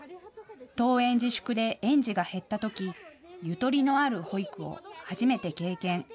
登園自粛で園児が減ったときゆとりのある保育を初めて経験。